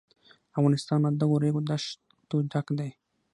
افغانستان له دغو ریګ دښتو ډک دی.